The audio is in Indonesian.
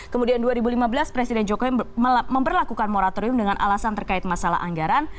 kemudian dua ribu lima belas presiden jokowi memperlakukan moratorium dengan alasan terkait masalah anggaran